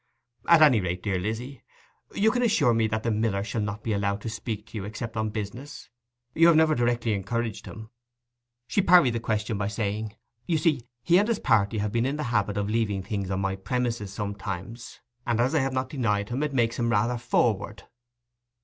'At any rate, dear Lizzy, you can assure me that the miller shall not be allowed to speak to you except on business? You have never directly encouraged him?' She parried the question by saying, 'You see, he and his party have been in the habit of leaving things on my premises sometimes, and as I have not denied him, it makes him rather forward.